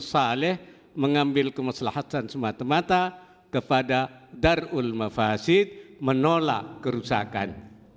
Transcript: daripada jalbul masyaleh mengambil kemestlahan semata mata kepada darul mafasid menolak kerusakan